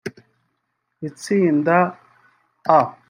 Itsinda A